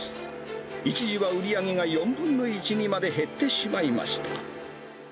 一時は売り上げが４分の１にまで減ってしまいました。